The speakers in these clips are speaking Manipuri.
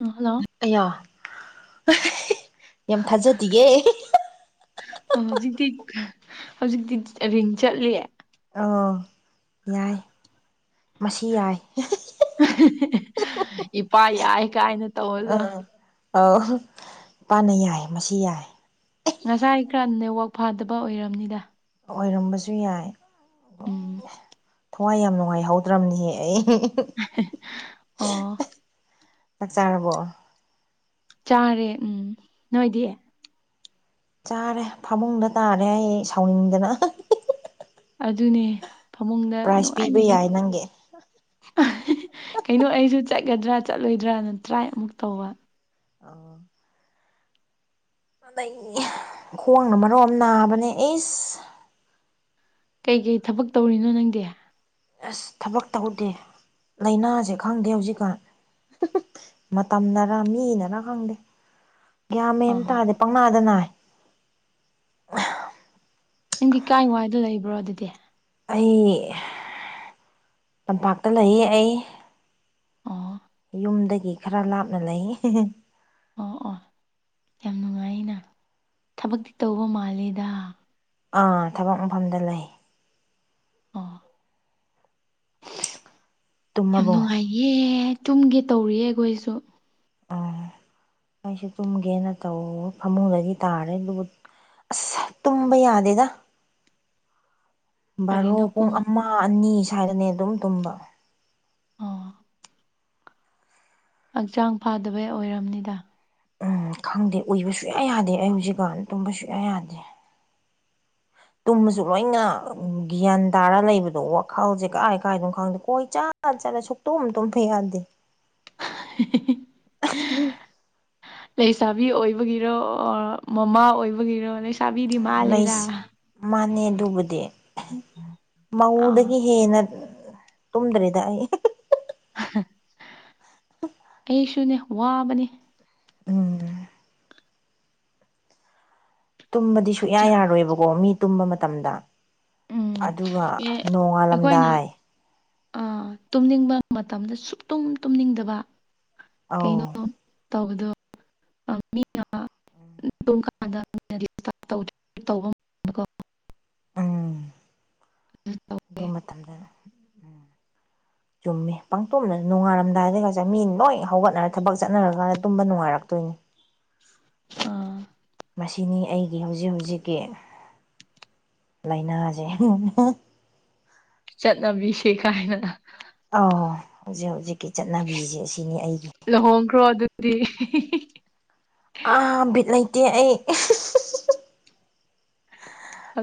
ꯎꯝ ꯍꯜꯂꯣ ꯑꯌꯥ ꯌꯥꯝ ꯊꯥꯖꯗꯤꯌꯦ ꯑꯣ ꯍꯧꯖꯤꯛꯇꯤ ꯍꯧꯖꯤꯛꯇꯤ ꯔꯤꯡ ꯆꯠꯂꯤ ꯑꯣ ꯌꯥꯏ ꯃꯁꯤ ꯌꯥꯏ ꯏꯄꯥ ꯌꯥꯏ ꯀꯥꯏꯅ ꯇꯧꯕꯗꯣ ꯑꯥ ꯑꯧ ꯏꯄꯥꯅ ꯌꯥꯏ ꯃꯁꯤ ꯌꯥꯏ ꯉꯁꯥꯏ ꯈꯔ ꯅꯦꯋꯥꯛ ꯐꯥꯗꯕ ꯑꯣꯏꯔꯝꯅꯤꯗ ꯑꯣꯏꯔꯝꯕꯁꯨ ꯌꯥꯏ ꯎꯝ ꯋꯥ ꯌꯥꯝ ꯅꯨꯡꯉꯥꯏꯍꯧꯗ꯭ꯔꯝꯅꯤꯍꯦ ꯑꯩ ꯑꯣ ꯆꯥꯛ ꯆꯥꯔꯕꯣ ꯆꯥꯔꯦ ꯎꯝ ꯅꯣꯏꯗꯤ ꯆꯥꯔꯦ ꯐꯃꯨꯡꯗ ꯇꯥꯔꯦ ꯑꯩ ꯁꯥꯎꯅꯤꯡꯗꯅ ꯑꯗꯨꯅꯦ ꯐꯃꯨꯡꯗ ꯄ꯭ꯔꯥꯏꯖ ꯄꯤꯕ ꯅꯨꯡꯉꯥꯏꯅ ꯍꯤꯞ ꯌꯥꯏ ꯅꯪꯒꯤ ꯀꯩꯅꯣ ꯑꯩꯖꯨ ꯆꯠꯒꯗ꯭ꯔꯥ ꯆꯠꯂꯣꯏꯗ꯭ꯔꯅ ꯇ꯭ꯔꯥꯏ ꯑꯃꯨꯛ ꯇꯧꯕ ꯑꯣ ꯑꯩ ꯈꯣꯡꯅ ꯃꯔꯣꯝꯃ ꯅꯥꯕꯅꯦ ꯏꯁ ꯀꯩꯀꯩ ꯊꯕꯛ ꯇꯧꯔꯤꯅꯣ ꯅꯪꯗꯤ ꯑꯁ ꯊꯕꯛ ꯇꯧꯗꯦ ꯂꯩꯅꯥꯖꯦ ꯈꯪꯗꯦ ꯍꯧꯖꯤꯛꯀꯥꯟ ꯃꯇꯝꯅꯔ ꯃꯤꯅꯔ ꯈꯪꯗꯦ ꯒ꯭ꯌꯥꯟ ꯃꯦꯟ ꯑꯥ ꯇꯥꯗꯦ ꯄꯪꯅꯥꯗ ꯅꯥꯏ ꯅꯪꯗꯤ ꯀꯥꯏ ꯋꯥꯏꯗ ꯂꯩꯕ꯭ꯔꯣ ꯑꯗꯨꯗꯤ ꯑꯩ ꯇꯝꯄꯥꯛꯇ ꯂꯩꯌꯦ ꯑꯩ ꯑꯣ ꯌꯨꯝꯗꯒꯤ ꯈꯔ ꯂꯥꯞꯅ ꯂꯩꯌꯦ ꯑꯣ ꯑꯣ ꯌꯥꯝ ꯅꯨꯡꯉꯥꯏꯅ ꯊꯕꯛꯇꯤ ꯇꯧꯕ ꯃꯥꯜꯂꯦꯗ ꯑꯥ ꯊꯕꯛ ꯃꯐꯝꯗ ꯂꯩ ꯑꯣ ꯌꯥꯝ ꯇꯨꯝꯃꯕꯣ ꯅꯨꯡꯉꯥꯏ ꯌꯦ ꯇꯨꯝꯒꯦ ꯇꯧꯔꯤꯌꯦ ꯑꯩꯈꯣꯏꯁꯨ ꯑꯥ [inaudible] ꯑꯩꯁꯨ ꯇꯨꯝꯒꯦꯅ ꯇꯧꯋ ꯐꯃꯨꯡꯗꯒꯤ ꯇꯥꯔꯦ ꯗꯨꯒ ꯑꯁ ꯇꯨꯝꯕ ꯌꯥꯗꯦꯗ [inaudible] ꯕꯥꯔꯣ ꯄꯨꯡ ꯑꯃꯥ ꯑꯅꯤ ꯁ꯭ꯋꯥꯏꯗꯅꯦ ꯑꯗꯨꯝ ꯇꯨꯝꯕ ꯑꯣ ꯍꯛꯆꯥꯡ ꯐꯥꯗꯕꯩ ꯑꯣꯏꯔꯝꯅꯤꯗ ꯎꯝ ꯈꯪꯗꯦ ꯎꯏꯕ ꯁꯨꯨꯌꯥ ꯌꯥꯗꯦ ꯑꯩ ꯍꯧꯖꯤꯛꯀꯥꯟ ꯇꯨꯝꯕ ꯁꯨꯡꯌꯥ ꯌꯥꯗꯦ ꯇꯨꯝꯃꯁꯨ ꯂꯣꯏꯅ ꯒ꯭ꯌꯥꯟ ꯇꯥꯔ ꯂꯩꯕꯗꯣ ꯋꯥꯈꯜꯖꯦ ꯀꯥꯏ ꯀꯥꯏꯗꯣ ꯈꯪꯗꯦ ꯀꯣꯏ ꯆꯥꯠ ꯆꯠ ꯆꯠꯂꯦ ꯁꯨꯛꯇꯨꯝ ꯇꯨꯝꯊꯥ ꯌꯥꯗꯦ [unintelligible] ꯂꯩꯁꯥꯕꯤ ꯑꯣꯏꯕꯒꯤꯔꯣ ꯑꯣꯔ ꯃꯃꯥ ꯑꯣꯏꯕꯒꯤꯔꯣ ꯂꯩꯁꯥ ꯂꯩꯁ ꯃꯥꯥꯟꯅꯦ ꯑꯗꯨꯕꯨꯗꯤ ꯑꯥ ꯃꯧꯗꯒꯤ ꯍꯦꯟꯅ ꯇꯨꯝꯗ꯭ꯔꯦꯗ ꯑꯩ ꯑꯩꯁꯨꯅꯤ ꯋꯥꯕꯅꯤ ꯎꯝ ꯇꯨꯝꯕꯗꯤ ꯁꯨꯡꯌꯥ ꯍꯛꯆꯥꯡ ꯌꯥꯔꯣꯏꯕꯀꯣ ꯃꯤ ꯇꯨꯝꯕ ꯃꯇꯝꯗ ꯎꯝ ꯑꯗꯨꯒ ꯑꯦ ꯑꯩꯈꯣꯏꯅ ꯅꯣꯡꯉꯥꯜꯂꯝꯗꯥꯏ ꯑꯥ ꯇꯨꯝꯅꯤꯡꯕ ꯃꯇꯝꯗ ꯁꯨꯛꯇꯨꯝ ꯇꯨꯝꯅꯤꯡꯗꯕ ꯀꯩꯅꯣ ꯑꯧ ꯇꯧꯕꯗꯨ [inaudible] ꯇꯧꯋꯦ ꯗꯨ ꯃꯇꯝꯗ ꯆꯨꯝꯃꯦ ꯄꯪꯇꯨꯝꯗ ꯅꯨꯉꯥꯜꯔꯝꯗꯥꯏꯗꯒꯁꯦ ꯃꯤ ꯂꯣꯏ ꯍꯧꯒꯠꯅꯔ ꯊꯕꯛ ꯆꯠꯅꯔꯀꯥꯟ ꯇꯨꯝꯕ ꯅꯨꯡꯉꯥꯏꯔꯛꯇꯣꯏꯅꯤ ꯑꯥ ꯃꯁꯤꯅꯤ ꯑꯩꯒꯤ ꯍꯧꯖꯤꯛ ꯍꯧꯖꯤꯛꯀꯤ ꯂꯩꯅꯥꯖꯦ ꯆꯠꯅꯕꯤꯁꯦ ꯀꯥꯏꯅ ꯑꯥꯎ ꯍꯧꯖꯤꯛ ꯍꯧꯖꯤꯛꯀꯤ ꯆꯠꯅꯕꯤꯖꯦ ꯑꯁꯤꯅꯤ ꯑꯩꯒꯤ ꯂꯨꯍꯣꯡꯈ꯭ꯔꯣ ꯑꯗꯨꯗꯤ ꯑꯥ ꯕꯤꯠ ꯂꯩꯇꯦ ꯑꯩ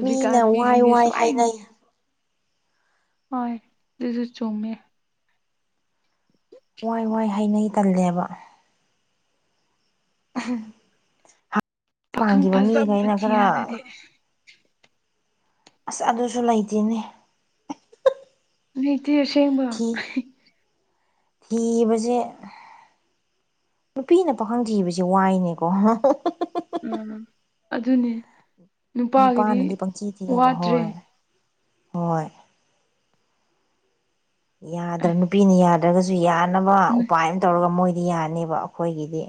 ꯃꯤꯅ ꯋꯥꯏ ꯃꯤꯁꯤꯡꯁꯦ ꯋꯥꯏ ꯁꯨꯃꯥꯏꯅ ꯍꯥꯏꯅꯩ ꯍꯣꯏ ꯗꯨꯁꯨ ꯆꯨꯝꯃꯦ ꯋꯥꯏ ꯋꯥꯏ ꯍꯥꯏꯅꯩ ꯇꯜꯂꯦꯕ ꯄꯥꯈꯪ ꯄꯥꯟꯈꯤꯕ ꯐꯖꯕ ꯃꯤꯈꯩꯅ ꯊꯤꯔꯣ ꯈꯔ ꯑꯗꯨꯗꯤ ꯑꯁ ꯑꯗꯨꯁꯨ ꯂꯩꯇꯦꯅꯦ ꯂꯩꯇꯦ ꯑꯁꯦꯡꯕ ꯏꯕꯁꯦ ꯅꯨꯄꯤꯅ ꯄꯥꯈꯪꯊꯤꯕꯁꯦ ꯋꯥꯏꯅꯦꯀꯣ [unintelligible] ꯎꯝ ꯑꯗꯨꯅꯤ ꯅꯨꯄꯥꯅꯗꯤ ꯄꯪꯊꯤ ꯊꯤꯑꯕ ꯋꯥꯗ꯭ꯔꯦ ꯍꯣꯏ ꯍꯣꯏ ꯑꯦ ꯌꯥꯗ꯭ꯔ ꯅꯨꯄꯤꯅ ꯌꯥꯗ꯭ꯔꯒꯁꯨ ꯌꯥꯅꯕ ꯎꯄꯥꯏ ꯑꯃ ꯇꯧꯔꯒ ꯃꯣꯏꯗꯤ ꯌꯥꯅꯦꯕ ꯑꯩꯈꯣꯏꯒꯤꯗꯤ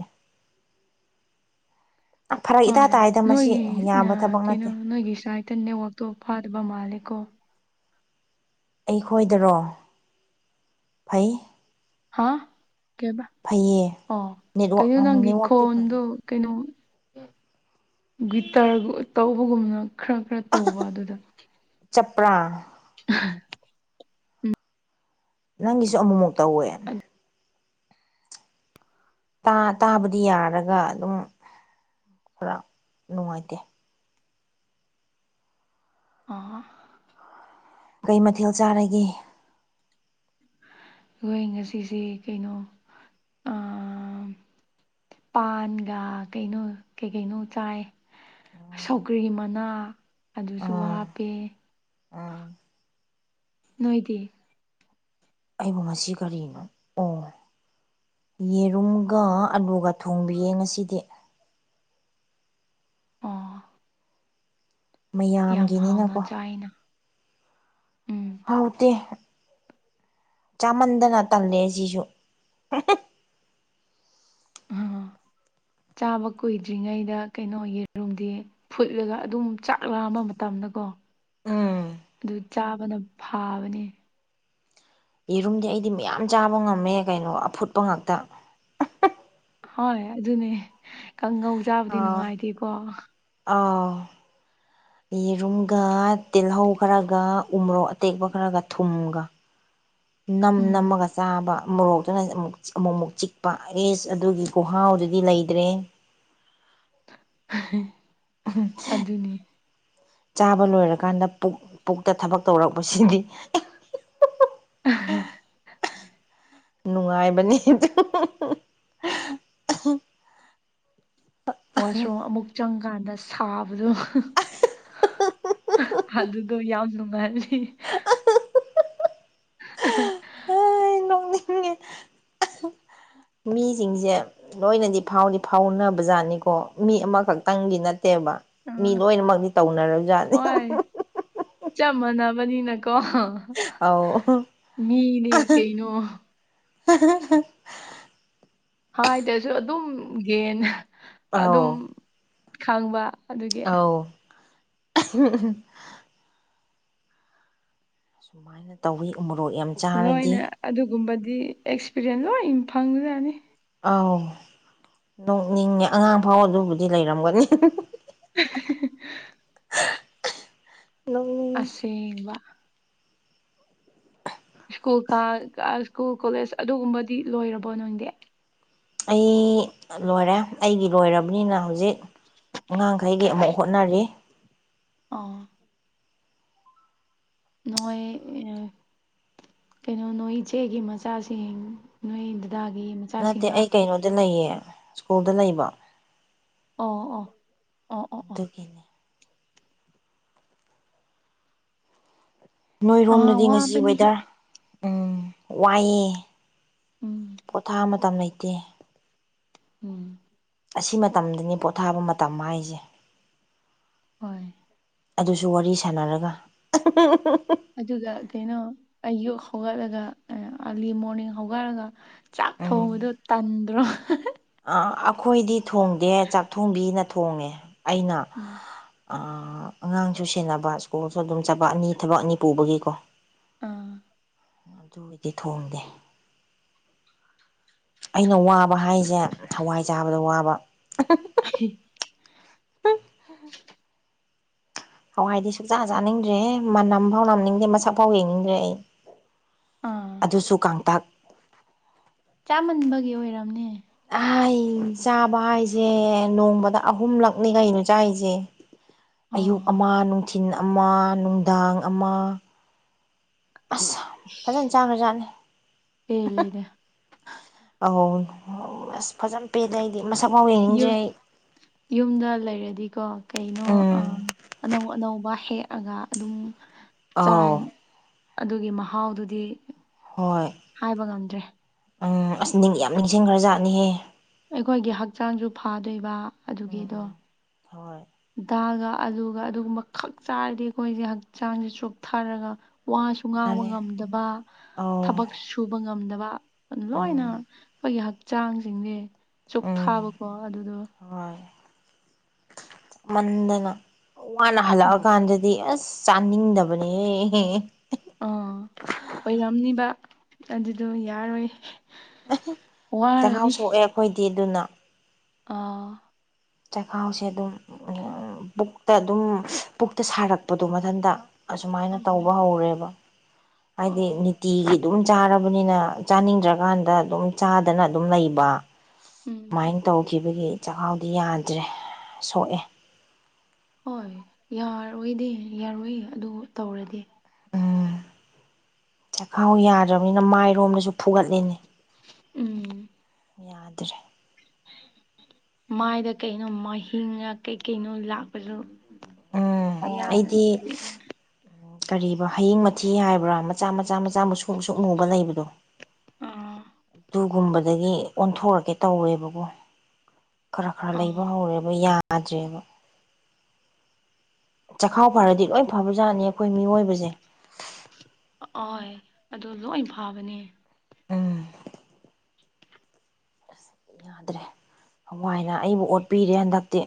ꯐꯔꯛ ꯏꯇꯥ ꯍꯣꯏ ꯇꯥꯏꯗ ꯃꯁꯤ ꯅꯣꯏꯒꯤ ꯌꯥꯕ ꯊꯕꯛ ꯀꯩꯅꯣ ꯅꯠꯇꯦ ꯅꯣꯏꯒꯤ ꯁꯥꯏꯗ ꯅꯦꯠꯋꯥꯛꯇꯣ ꯐꯥꯗꯕ ꯃꯥꯜꯂꯦꯀꯣ ꯑꯩꯈꯣꯏꯗꯔꯣ ꯐꯩ ꯍꯥ ꯀꯦꯕ ꯐꯩꯌꯦ ꯑꯣ ꯅꯦꯠꯋꯥꯛ ꯀꯩꯅꯣ ꯅꯪꯒꯤ ꯅꯦꯠꯋꯥꯛꯇꯤ ꯐꯩ ꯈꯣꯟꯗꯨ ꯀꯩꯅꯣ ꯒꯤꯇꯔ ꯇꯧꯕꯒꯨꯝꯅ ꯈꯔ ꯈꯔ ꯇꯧꯕ ꯑꯗꯨꯗ ꯆꯞꯄ꯭ꯔꯥ ꯑꯍ ꯅꯪꯒꯤꯁꯨ ꯑꯃꯨꯛꯃꯨꯛ ꯇꯧꯋꯦ ꯇꯥ ꯇꯥꯕꯗꯤ ꯌꯥꯔꯒ ꯑꯗꯨꯝ ꯈꯔ ꯅꯨꯡꯉꯥꯏꯇꯦ ꯑꯣ ꯀꯩ ꯃꯊꯦꯜ ꯆꯥꯔꯒꯦ ꯈꯣꯏ ꯉꯁꯤꯁꯤ ꯀꯩꯅꯣ ꯑꯥ ꯄꯥꯟꯒ ꯀꯩꯅꯣ ꯀꯩ ꯀꯩꯅꯣ ꯆꯥꯏ ꯁꯧꯒ꯭ꯔꯤ ꯃꯅꯥ ꯑꯗꯨꯁꯨ ꯑꯥ ꯍꯥꯞꯄꯦ ꯑꯥ ꯅꯣꯏꯗꯤ ꯑꯩꯕꯨ ꯉꯁꯤ ꯀꯔꯤꯅꯣ ꯑꯣ ꯌꯦꯔꯨꯝꯒ ꯑꯂꯨꯒ ꯊꯣꯡꯕꯤꯌꯦ ꯉꯁꯤꯗꯤ ꯑꯣ ꯌꯥꯝ ꯍꯥꯎꯅ ꯃꯌꯥꯝꯒꯤꯅꯤꯅꯀꯣ ꯆꯥꯏꯅ ꯎꯝ ꯍꯥꯎꯇꯦ ꯆꯥꯃꯟꯗꯅ ꯇꯜꯂꯦ ꯑꯁꯤꯁꯨ [unintelligible] ꯑꯥ ꯆꯥꯕ ꯀꯨꯏꯗ꯭ꯔꯤꯉꯩꯗ ꯀꯩꯅꯣ ꯌꯦꯔꯨꯝꯗꯤ ꯐꯨꯠꯂꯒ ꯑꯗꯨꯝ ꯆꯥꯛ ꯂꯥꯝꯕ ꯃꯇꯝꯗꯀꯣ ꯎꯝ ꯑꯗꯨ ꯆꯥꯕꯅ ꯐꯥꯕꯅꯦ ꯌꯦꯔꯨꯝꯗꯤ ꯑꯩꯗꯤ ꯃꯌꯥꯝ ꯆꯥꯕ ꯉꯝꯃꯦ ꯀꯩꯅꯣ ꯑꯐꯨꯠꯄ ꯉꯥꯛꯇ ꯍꯣꯏ ꯑꯗꯨꯅꯦ ꯀꯥꯡꯉꯧ ꯑ ꯆꯥꯕꯗꯤ ꯅꯨꯡꯉꯥꯏꯇꯦꯀꯣ ꯑꯥꯎ ꯌꯦꯔꯨꯝꯒ ꯇꯤꯜꯍꯧ ꯈꯔꯒ ꯎꯃꯣꯔꯣꯛ ꯑꯇꯦꯛꯄ ꯈꯔꯒ ꯊꯨꯝꯒ ꯅꯝ ꯎꯝ ꯅꯝꯃꯒ ꯆꯥꯕ ꯃꯣꯔꯣꯛꯇꯨꯅ ꯑꯃꯨꯛ ꯑꯃꯨꯛ ꯑꯃꯨꯛ ꯆꯤꯛꯄ ꯑꯦꯁ ꯑꯗꯨꯒꯤ ꯈꯨꯍꯥꯎꯗꯨꯗꯤ ꯂꯩꯇ꯭ꯔꯦꯍꯦ [inaudible] [unintelligible] [unintelligible] ꯑꯗꯨꯅꯤ ꯆꯥꯕ ꯂꯣꯏꯔꯀꯥꯟꯗ ꯄꯨꯛ ꯄꯨꯛꯇ ꯊꯕꯛ ꯇꯧꯔꯛꯄꯁꯤꯗꯤ [unintelligible] [unintelligible] ꯅꯨꯡꯉꯥꯏꯕꯅꯦ [unintelligible] ꯋꯥꯁꯔꯨꯝ ꯑꯃꯨꯛ ꯆꯪꯀꯥꯟꯗ ꯁꯥꯕꯗꯣ ꯑꯗꯨꯗꯣ ꯌꯥꯝ ꯅꯨꯡꯉꯥꯏꯕꯅꯦ ꯍꯤ [unintelligible] ꯅꯣꯛꯅꯤꯡꯉꯦ [unintelligible] ꯃꯤꯖꯤꯡꯁꯦ ꯂꯣꯏꯅꯗꯤ ꯐꯥꯎꯗꯤ ꯐꯥꯎꯅꯕ ꯖꯥꯠꯅꯤꯀꯣ ꯃꯤ ꯑꯃꯈꯛꯇꯪꯒꯤ ꯅꯠꯇꯦꯕ ꯃꯤ ꯑꯥ ꯂꯣꯏꯅꯃꯛꯗꯤ ꯇꯧꯅꯔꯕꯖꯥꯠꯅꯤ ꯆꯥꯞ ꯃꯥꯟꯅꯕꯅꯤꯅꯀꯣ ꯑꯧ ꯃꯤꯅꯤ ꯀꯩꯅꯣ [inaudible] ꯍꯥꯏꯗ꯭ꯔꯥꯁꯨ ꯑꯗꯨꯝ ꯍꯦꯟꯅ ꯑꯧ ꯑꯗꯨꯝ ꯈꯪꯕ ꯑꯗꯨꯒꯤ ꯑꯥꯎ ꯁꯨꯃꯥꯏꯅ ꯇꯧꯋꯤ ꯃꯣꯔꯣꯛ ꯌꯥꯝ ꯂꯣꯏꯅ ꯆꯥꯔꯗꯤ ꯑꯗꯨꯒꯨꯝꯕꯗꯤ ꯑꯦꯛꯁꯄꯤꯔꯤꯌꯦꯟꯁ ꯂꯣꯏ ꯐꯪ ꯖꯥꯠꯅꯤ ꯑꯥꯎ ꯅꯣꯛꯅꯤꯡꯉꯦ ꯑꯉꯥꯡ ꯐꯥꯎ ꯑꯗꯨꯕꯨꯗꯤ ꯂꯩꯔꯝꯒꯅꯤ [inaudible] ꯅꯣꯛꯅꯤꯡꯉꯦ ꯑꯁꯦꯡꯕ ꯁ꯭ꯀꯨꯜ ꯀꯥ ꯑꯥ ꯁ꯭ꯀꯨꯜ ꯀꯣꯂꯦꯖ ꯑꯗꯨꯒꯨꯝꯕꯗꯤ ꯂꯣꯏꯔꯕꯣ ꯅꯪꯗꯤ ꯑꯩ ꯂꯣꯏꯔꯦ ꯑꯩꯒꯤ ꯂꯣꯏꯔꯕꯅꯤꯅ ꯍꯧꯖꯤꯛ ꯑꯉꯥꯡꯈꯩꯒꯤ ꯑꯃꯨꯛ ꯍꯣꯠꯅꯔꯤ ꯑꯥ ꯅꯣꯏ ꯑꯦ ꯀꯩꯅꯣ ꯅꯣꯏ ꯏꯆꯦꯒꯤ ꯃꯆꯥꯁꯤꯡ ꯅꯣꯏ ꯗꯗꯥꯒꯤ ꯅꯠꯇꯦ ꯃꯆꯥꯁꯤꯡꯔꯥ ꯑꯩ ꯀꯩꯅꯣꯗ ꯂꯩꯌꯦ ꯁ꯭ꯀꯨꯜꯗ ꯂꯩꯕ ꯑꯣ ꯑꯣ ꯑꯣ ꯑꯣ ꯑꯣ ꯑꯗꯨꯒꯤꯅꯦ ꯑꯥ ꯅꯣꯏꯔꯣꯝꯗꯗꯤ ꯉꯁꯤ ꯋꯥꯕꯅꯤ ꯋꯦꯗꯔ ꯎꯝ ꯋꯥꯏꯌꯦ ꯎꯝ ꯄꯣꯊꯥ ꯃꯇꯝ ꯂꯩꯇꯦ ꯎꯝ꯫ ꯑꯁꯤ ꯃꯇꯝꯗꯅꯤ ꯄꯣꯊꯥꯕ ꯃꯇꯝ ꯍꯥꯏꯁꯦ ꯍꯣꯏ ꯑꯗꯨꯁꯨ ꯋꯥꯔꯤ ꯁꯥꯟꯅꯔꯒ ꯑꯗꯨꯒ ꯀꯩꯅꯣ ꯑꯌꯨꯛ ꯍꯧꯒꯠꯂꯒ ꯑꯥꯔꯂꯤ ꯃꯣꯔꯅꯤꯡ ꯍꯧꯒꯠꯂꯒ ꯆꯥꯛ ꯊꯣꯡꯕꯗꯣ ꯇꯟꯗ꯭ꯔꯣ ꯑ ꯑꯩꯈꯣꯏꯗꯤ ꯊꯣꯡꯗꯦ ꯆꯥꯛ ꯊꯣꯡꯕꯤꯅ ꯊꯣꯡꯉꯦ ꯑꯩꯅ ꯎꯝ꯫ ꯑ ꯑꯉꯥꯡꯁꯨ ꯁꯦꯟꯅꯕ ꯁ꯭ꯀꯨꯜꯁꯨ ꯑꯗꯨꯝ ꯆꯠꯄ ꯑꯅꯤ ꯊꯕꯛ ꯑꯅꯤ ꯄꯨꯕꯒꯤꯀꯣ ꯑꯥ ꯑꯗꯨ ꯃꯤꯗꯤ ꯊꯣꯡꯗꯦ ꯑꯩꯅ ꯋꯥꯕ ꯍꯥꯏꯁꯦ ꯍꯋꯥꯏ ꯆꯥꯕꯗ ꯋꯥꯕ [inaudible] [inaudible] ꯍꯋꯥꯏꯗꯤ ꯁꯨꯛꯆꯥꯥ ꯆꯥꯅꯤꯡꯗ꯭ꯔꯦꯍꯦ ꯃꯅꯝꯐꯥꯎ ꯅꯝꯅꯤꯡꯗꯦ ꯃꯁꯛ ꯐꯥꯎ ꯌꯦꯡꯅꯤꯡꯗ꯭ꯔꯦ ꯑꯩ ꯑꯥ ꯑꯗꯨꯁꯨ ꯀꯥꯡꯇꯛ ꯆꯥꯃꯟꯕꯒꯤ ꯑꯣꯏꯔꯝꯅꯦ ꯑꯩ ꯆꯥꯕ ꯍꯥꯏꯁꯦ ꯅꯣꯡꯃꯗ ꯑꯍꯨꯝꯂꯛꯅꯤ ꯀꯩꯅꯣ ꯆꯥꯏꯁꯦ ꯑꯌꯨꯛ ꯑꯥ ꯑꯃ ꯅꯨꯡꯊꯤꯜ ꯑꯃ ꯅꯨꯡꯗꯥꯡ ꯑꯃ ꯑꯁ ꯐꯥꯖꯟꯅ ꯆꯥꯈ꯭ꯔꯥ ꯖꯥꯠꯅꯤ ꯄꯦꯜꯂꯦꯗ ꯑꯧ ꯑꯁ ꯐꯥꯖꯟꯅ ꯄꯤꯗ ꯑꯩꯗꯤ ꯃꯁꯛꯐꯥꯎ ꯌꯦꯡꯅꯤꯡꯗꯦ ꯌꯨꯝ ꯑꯩ ꯌꯨꯝꯗ ꯂꯩꯔꯗꯤꯀꯣ ꯀꯩꯅꯣ ꯎꯝ ꯑꯥ ꯑꯅꯧ ꯑꯅꯧꯕ ꯍꯦꯛ ꯑꯒꯥ ꯑꯗꯨꯝ ꯑꯧ ꯆꯥꯏ ꯑꯗꯨꯒꯤ ꯃꯍꯥꯎꯗꯨꯗꯤ ꯍꯣꯏ ꯍꯥꯏꯕ ꯉꯝꯗ꯭ꯔꯦ ꯑꯥ ꯑꯁ ꯅꯤꯡꯗꯤ ꯌꯥꯝ ꯅꯤꯡꯁꯤꯡꯈ꯭ꯔꯥꯖꯥꯠꯅꯤꯍꯦ ꯑꯩꯈꯣꯏꯒꯤ ꯍꯛꯆꯥꯡꯖꯨ ꯐꯥꯗꯣꯏꯕ ꯑꯗꯨꯒꯤꯗꯣ ꯎꯝ ꯍꯣꯏ ꯗꯥꯜꯒ ꯑꯂꯨꯒ ꯑꯗꯨꯒꯨꯝꯕ ꯈꯛ ꯆꯥꯔꯗꯤ ꯑꯩꯈꯣꯏꯖꯦ ꯍꯛꯆꯥꯡꯖꯦ ꯆꯣꯛꯊꯔꯒ ꯋꯥꯁꯨ ꯉꯥꯡꯕ ꯃꯥꯅꯦ ꯉꯝꯗꯕ ꯑꯧ ꯊꯕꯛ ꯁꯨ ꯁꯨꯕ ꯉꯝꯗꯕ ꯂꯣꯏꯅ ꯎꯝ ꯑꯩꯈꯣꯏꯒꯤ ꯍꯛꯆꯥꯡꯖꯤꯡꯖꯦ ꯎꯝ ꯆꯣꯛꯊꯥꯕꯀꯣ ꯑꯗꯨꯗꯣ ꯍꯣꯏ ꯃꯟꯗꯅ ꯋꯥꯅ ꯍꯜꯂꯛꯑꯥꯀꯥꯟꯗꯗꯤ ꯑꯁ ꯆꯥꯅꯤꯡꯗꯕꯅꯦꯍꯦ ꯑꯥ ꯑꯣꯏꯔꯝꯅꯤꯕ ꯑꯗꯨꯗꯣ ꯌꯥꯔꯣꯏ ꯆꯥꯈꯥꯎ ꯋꯥꯔꯅꯤ ꯁꯣꯛꯑꯦ ꯑꯩꯈꯣꯏꯗꯤ ꯑꯗꯨꯅ ꯑꯥ ꯆꯈꯥꯎꯁꯦ ꯑꯗꯨꯝ ꯎꯝ ꯄꯨꯛꯇ ꯑꯗꯨꯝ ꯄꯨꯛꯇ ꯁꯥꯔꯛꯄꯗꯣ ꯃꯊꯟꯇ ꯑꯁꯨꯃꯥꯏꯅ ꯇꯧꯕ ꯎꯝ ꯍꯧꯔꯦꯕ ꯍꯥꯏꯗꯤ ꯑꯣ ꯅꯤ ꯇꯤꯒꯤ ꯑꯗꯨꯝ ꯆꯥꯔꯕꯅꯤꯅ ꯆꯥꯅꯤꯡꯗ꯭ꯔꯀꯥꯟꯗ ꯑꯗꯨꯝ ꯆꯥꯗꯅ ꯑꯗꯨꯝ ꯂꯩꯕ ꯎꯝ ꯑꯃꯥꯏꯅ ꯇꯧꯈꯤꯕꯒꯤ ꯆꯥꯛꯈꯥꯎꯗꯤ ꯌꯥꯗ꯭ꯔꯦ ꯁꯣꯛꯑꯦ ꯍꯣꯏ ꯌꯥꯔꯣꯏꯗꯤ ꯌꯥꯔꯣꯏ ꯑꯗꯨ ꯇꯧꯔꯗꯤ ꯎꯝ ꯆꯥꯛꯈꯥꯎ ꯌꯥꯗ꯭ꯔꯕꯅꯤꯅ ꯃꯥꯏꯔꯣꯝꯗꯁꯨ ꯐꯨꯒꯠꯂꯤꯅꯤ ꯎꯝ ꯌꯥꯗ꯭ꯔꯦ ꯃꯥꯏꯗ ꯀꯩꯅꯣ ꯃꯍꯤꯡꯔꯥ ꯀꯩꯀꯩꯅꯣ ꯂꯥꯛꯄꯗꯣ ꯎꯝ ꯑꯩꯗꯤ [inaudible] ꯀꯔꯤꯕ ꯍꯌꯤꯡ ꯃꯊꯤ ꯍꯥꯏꯕ꯭ꯔꯥ ꯃꯆꯥ ꯃꯆꯥ ꯃꯆꯥ ꯃꯨꯁꯨꯛ ꯃꯨꯁꯨꯛ ꯃꯨꯕ ꯂꯩꯕꯗꯣ ꯑꯥ ꯗꯨꯒꯨꯝꯕꯗꯒꯤ ꯑꯣꯟꯊꯣꯔꯛꯀꯦ ꯇꯧꯋꯦꯕꯀꯣ ꯈꯔ ꯈꯔ ꯑꯥ ꯂꯩꯕ ꯍꯧꯔꯦꯕ ꯌꯥꯗ꯭ꯔꯦꯕ ꯆꯥꯈꯥꯎ ꯐꯔꯗꯤ ꯂꯣꯏ ꯐꯕꯖꯥꯠꯅꯤ ꯑꯩꯈꯣꯏ ꯃꯤꯑꯣꯏꯕꯖꯦ ꯍꯣꯏ ꯑꯗꯨ ꯂꯣꯏ ꯐꯕꯅꯦ ꯎꯝ ꯌꯥꯗ꯭ꯔꯦ ꯍꯋꯥꯏꯅ ꯑꯩꯕꯨ ꯑꯣꯠꯄꯤꯔꯦ ꯍꯟꯗꯛꯇꯤ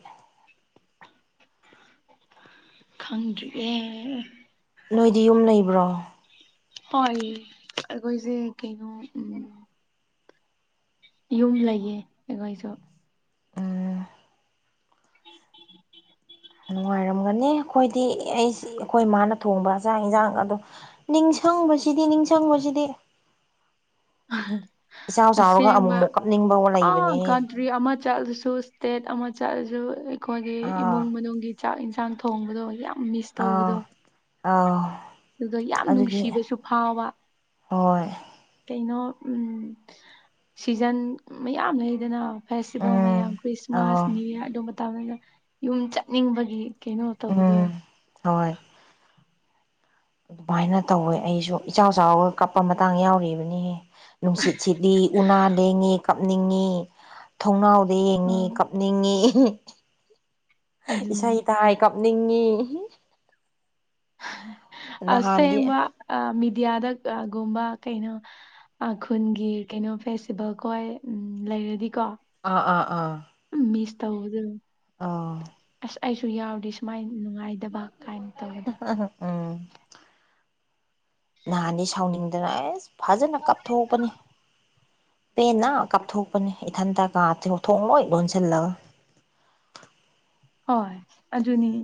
ꯈꯪꯗ꯭ꯔꯤꯌꯦ ꯅꯣꯏꯗꯤ ꯌꯨꯝ ꯂꯩꯕ꯭ꯔꯣ ꯍꯣꯏ ꯑꯩꯈꯣꯏꯖꯦ ꯀꯩꯅꯣ ꯎꯝ ꯌꯨꯝ ꯂꯩꯌꯦ ꯑꯩꯈꯣꯏꯁꯨ ꯎꯝ [inaudible] ꯅꯨꯡꯉꯥꯏꯔꯝꯒꯅꯤ ꯑꯩꯈꯣꯏꯗꯤ ꯑꯩꯁ ꯑꯩꯈꯣꯏ ꯃꯥꯅ ꯊꯣꯡꯕ ꯆꯥꯛ ꯏꯟꯁꯥꯡꯒꯗꯣ ꯅꯤꯡꯁꯪꯕꯁꯤꯗꯤ ꯅꯤꯡꯁꯪꯕꯁꯤꯗꯤ ꯏꯆꯥꯎ ꯆꯥꯎꯔꯒ ꯑꯃꯨꯛꯃꯨꯛ ꯀꯞꯅꯤꯡꯕ ꯂꯩꯕꯅꯤꯍꯦ ꯇ꯭ꯔꯤ ꯑꯃ ꯆꯠꯂꯁꯨ ꯁ꯭ꯇꯦꯠ ꯑꯃ ꯆꯠꯂꯁꯨ ꯑꯩꯈꯣꯏꯒꯤ ꯑꯥ ꯏꯃꯨꯡ ꯃꯅꯨꯡꯒꯤ ꯆꯥꯛ ꯏꯟꯁꯥꯡ ꯊꯣꯡꯕꯗꯣ ꯌꯥꯝ ꯃꯤꯁ ꯑꯥ ꯇꯧꯕꯗꯣ ꯑꯥ ꯑꯗꯨꯗꯣ ꯌꯥꯝ ꯑꯗꯨꯗꯤ ꯅꯨꯡꯁꯤꯕꯁꯨ ꯐꯥꯎꯕ ꯍꯣꯏ ꯀꯩꯅꯣ ꯎꯝ ꯁꯤꯖꯟ ꯃꯌꯥꯝ ꯂꯩꯗꯅ ꯐꯦꯁꯇꯤꯚꯦꯜ ꯎꯝ ꯃꯌꯥꯝ ꯈ꯭ꯔꯤꯁꯃꯥꯁ ꯑꯥ ꯅꯤꯌꯨ ꯏꯌꯔ ꯑꯗꯨ ꯃꯇꯝꯗꯅ ꯌꯨꯝ ꯆꯠꯅꯤꯡꯕꯒꯤ ꯀꯩꯅꯣ ꯇꯧꯕꯗꯣ ꯎꯝ ꯍꯣꯏ ꯑꯗꯨꯃꯥꯏꯅ ꯇꯧꯋꯦ ꯑꯩꯁꯨ ꯏꯆꯥꯎ ꯆꯥꯎꯔꯒ ꯀꯞꯄ ꯃꯇꯥꯡ ꯌꯥꯎꯔꯤꯕꯅꯤꯍꯦ ꯅꯨꯡꯁꯤꯠ ꯁꯤꯠꯂꯤ ꯎꯅꯥ ꯂꯦꯡꯉꯤ ꯀꯞꯅꯤꯡꯉꯤ ꯊꯣꯡꯅꯥꯎ ꯗ ꯑ ꯌꯦꯡꯉꯤ ꯀꯞꯅꯤꯡꯉꯤ ꯑꯗꯨꯅꯦ ꯏꯁꯩ ꯇꯥꯏ ꯀꯞꯅꯤꯡꯉꯤ ꯅꯍꯥꯟꯗꯤ ꯑꯁꯦꯡꯕ ꯑ ꯃꯦꯗꯤꯌꯥꯗ ꯑ ꯒꯨꯝꯕ ꯀꯩꯅꯣ ꯑꯥ ꯈꯨꯟꯒꯤ ꯀꯩꯅꯣ ꯐꯦꯁꯇꯤꯚꯦꯜꯈꯣꯏ ꯎꯝ ꯂꯩꯔꯗꯤꯀꯣ ꯑꯥ ꯑꯥ ꯑꯥ ꯎꯝ ꯃꯤꯁ ꯇꯧꯕꯗ ꯑꯧ ꯑꯁ ꯑꯩꯁꯨ ꯌꯥꯎꯔꯗꯤ ꯁꯨꯃꯥꯏ ꯅꯨꯡꯉꯥꯏꯗꯕ ꯀꯥꯏꯅ ꯇꯧꯕꯗ ꯎꯝ ꯅꯍꯥꯟꯗꯤ ꯁꯥꯎꯅꯤꯡꯗꯅ ꯑꯦꯁ ꯐꯖꯟꯅ ꯀꯞꯊꯣꯛꯄꯅꯤ ꯄꯦꯟꯅ ꯀꯞꯊꯣꯛꯄꯅꯦ ꯏꯊꯟꯇ ꯀꯥꯆꯤꯡ ꯊꯣꯡ ꯂꯣꯏ ꯂꯣꯟꯁꯤꯜꯂꯒ ꯍꯣꯏ ꯑꯗꯨꯅꯤ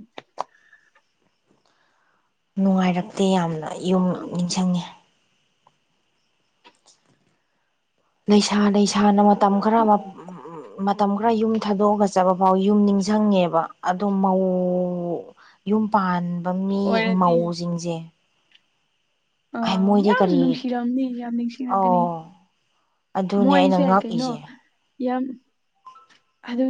ꯅꯨꯡꯉꯥꯏꯔꯛꯇꯦ ꯌꯥꯝꯅ ꯌꯨꯝ ꯑ, ꯅꯤꯡꯁꯪꯉꯦ [inaudible] ꯂꯩꯁꯥ ꯂꯩꯁꯥꯅ ꯃꯇꯝ ꯈꯔꯃ ꯎꯝ ꯎꯝ ꯃꯇꯝ ꯈꯔ ꯌꯨꯝ ꯊꯥꯗꯣꯛꯑꯒ ꯆꯠꯄ ꯐꯥꯎ ꯌꯨꯝ ꯅꯤꯡꯁꯪꯉꯦꯕ ꯑꯗꯣ ꯃꯧ ꯌꯨꯝ ꯄꯥꯟꯕ ꯃꯤ ꯑꯣꯏꯔꯗꯤ ꯃꯧꯁꯤꯡꯖꯦ ꯑꯥ ꯌꯥꯝ ꯀꯔꯤ ꯅꯨꯡꯁꯤꯔꯝꯅꯤ ꯌꯥꯝ ꯅꯤꯡꯁꯤꯡꯉꯛꯀꯅꯤ ꯑꯧ ꯑꯗꯨꯅꯦ ꯑꯩꯅ ꯃꯣꯏꯁꯦ ꯀꯩꯅꯣ ꯉꯛꯏꯁꯦ ꯌꯥꯝ ꯑꯗꯨꯝ